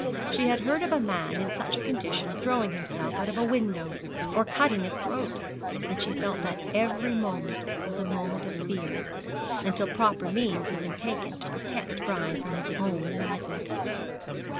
She had heard of a man in such a condition throwing himself out of a window, or cutting his throat: and she felt that every moment was a moment of fear, until proper means had been taken to protect Brian from his own madness.